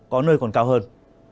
có nơi còn cao hơn